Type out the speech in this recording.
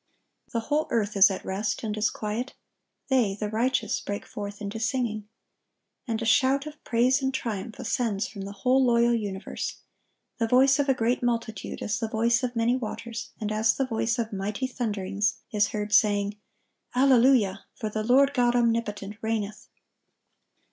"The whole earth is at rest, and is quiet: they [the righteous] break forth into singing."(1171) And a shout of praise and triumph ascends from the whole loyal universe. "The voice of a great multitude," "as the voice of many waters, and as the voice of mighty thunderings," is heard, saying, "Alleluia; for the Lord God omnipotent reigneth."